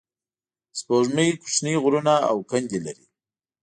سپوږمۍ کوچنۍ غرونه او کندې لري